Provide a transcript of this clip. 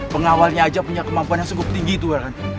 pengawalnya aja punya kemampuan yang sungguh tinggi itu juragan